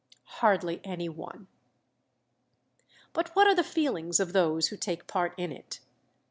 Hardly any one. But what are the feelings of those who take part in it?